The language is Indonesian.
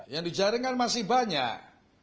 yang dijaring kan masih banyak